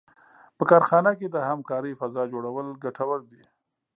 په کار ځای کې د همکارۍ فضا جوړول ګټور دي.